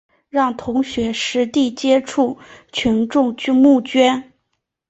让同学实地接触群众募资